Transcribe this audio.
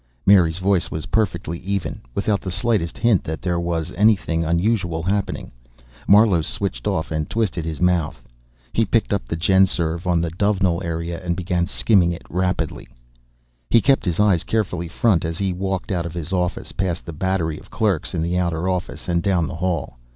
Mary's voice was perfectly even, without the slightest hint that there was anything unusual happening. Marlowe switched off and twisted his mouth. He picked up the GenSurv on the Dovenil area and began skimming it rapidly. He kept his eyes carefully front as he walked out of his office, past the battery of clerks in the outer office, and down the hall.